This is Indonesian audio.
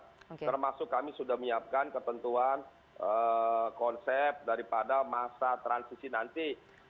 termasuk kami sudah menyiapkan ketentuan konsep daripada masa transisi nanti